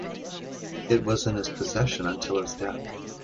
It was in his possession until his death.